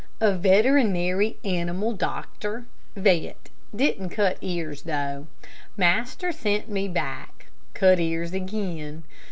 "A veterinary animal doctor. Vet. didn't cut ears enough. Master sent me back. Cut ears again.